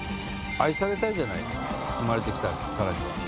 愛されたいじゃない生まれてきたからには。